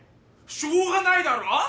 しょうがないだろ！